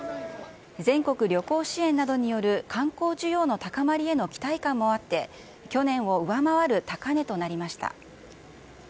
全国旅行支援などによる観光需要の高まりへの期待感もあって、去年を上回る高値となりました。